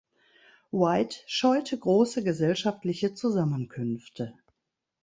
White scheute große gesellschaftliche Zusammenkünfte.